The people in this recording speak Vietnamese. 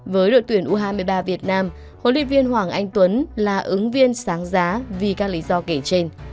với đội tuyển u hai mươi ba việt nam huấn luyện viên hoàng anh tuấn là ứng viên sáng giá vì các lý do kể trên